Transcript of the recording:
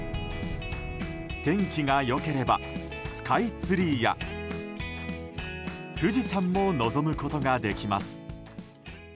天気が良ければスカイツリーや富士山も望むことができます。